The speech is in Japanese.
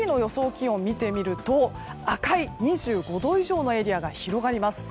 気温を見てみると赤い２５度以上のエリアが広がります。